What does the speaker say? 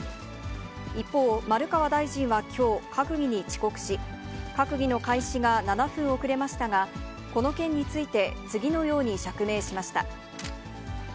一方、丸川大臣はきょう、閣議に遅刻し、閣議の開始が７分遅れましたが、この件について次のように釈明しました。